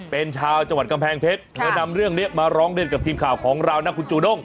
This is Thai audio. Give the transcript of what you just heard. เป็นชาวจังหวัดกำแพงเพชรเธอนำเรื่องนี้มาร้องเรียนกับทีมข่าวของเรานะคุณจูด้ง